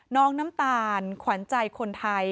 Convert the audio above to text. น้ำตาลขวัญใจคนไทย